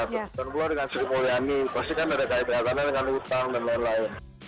dan juga dengan sri mulyani pasti kan ada kaitan dengan utang dan lain lain